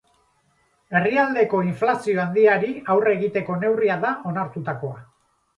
Herrialdeko inflazio handiari aurre egiteko neurria da onartutakoa.